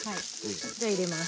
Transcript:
じゃ入れます。